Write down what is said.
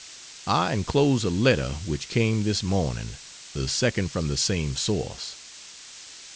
I enclose a letter which came this morning the second from the same source.